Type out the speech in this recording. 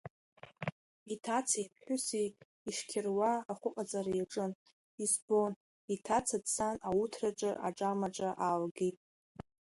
Иҭацеи иԥҳәыси ишьқьыруа ахәыҟаҵара иаҿын, избон, иҭаца дцан ауҭраҿы аҿамаҿа аалгит.